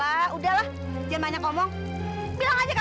aku telfon mas prabu aja ya